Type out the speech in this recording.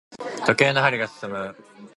時計の針が進む。